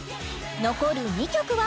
残る２曲は？